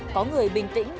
có người bình tĩnh